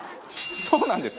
そうなんです。